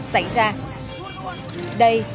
xảy ra đây